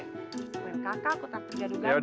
gue yang kakak aku terlalu pernah gaduga